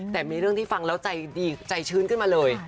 แต่มีเรื่องที่ฟังแล้วใจดีใจชื้นขึ้นมาเลย